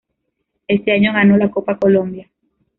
Ese año ganó la Copa Colombia.